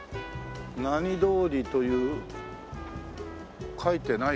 何通りという書いてないか。